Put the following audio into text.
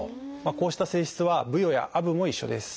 こうした性質はブヨやアブも一緒です。